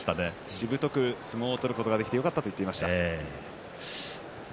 しぶとく相撲を取ることができてよかったと言っていました。